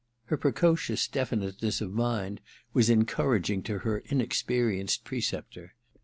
Her precocious definiteness of mind was encouraging to her inexperienced preceptor.